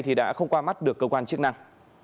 thì đã không qua mắt được cơ quan chức năng